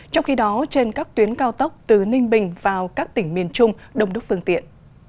trong khi đó trên các tuyến cao tốc từ ninh bình vào các tỉnh miền trung đông đúc phương tiện